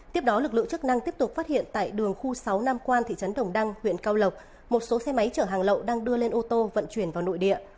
tiếp đó lực lượng chức năng tiếp tục phát hiện tại đường khu sáu nam quan thị trấn đồng đăng huyện cao lộc một số xe máy chở hàng lậu đang đưa lên ô tô vận chuyển vào nội địa